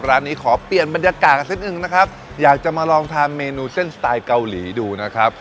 ร้านนี้ขอเปลี่ยนบรรยากาศกันสักหนึ่งนะครับอยากจะมาลองทานเมนูเส้นสไตล์เกาหลีดูนะครับ